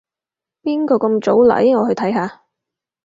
邊個咁早嚟？我去睇下